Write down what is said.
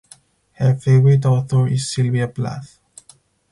Her favorite author is Sylvia Plath.